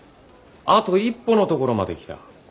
あと一歩のところまで来た。